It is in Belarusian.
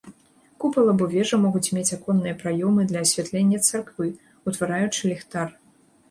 Купал або вежа могуць мець аконныя праёмы для асвятлення царквы, утвараючы ліхтар.